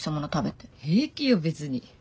平気よ別に。